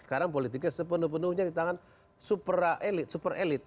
sekarang politiknya sepenuh penuhnya di tangan super elit